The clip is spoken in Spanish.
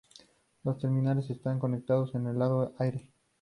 Los terminales están conectados en el lado aire.